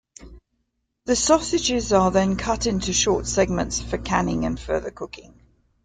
The sausages are then cut into short segments for canning and further cooking.